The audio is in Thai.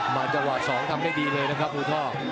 จังหวะ๒ทำได้ดีเลยนะครับอูทอง